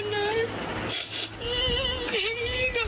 ทำให้ได้ตัวเหมือนเงียบแล้วค่ะ